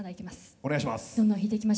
お願いします。